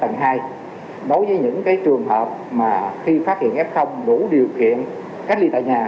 tầng hai đối với những trường hợp mà khi phát hiện f đủ điều kiện cách ly tại nhà